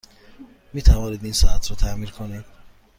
می توانید این ساعت را تعمیر کنید؟